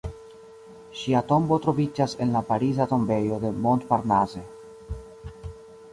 Ŝia tombo troviĝas en la Pariza Tombejo de Montparnasse.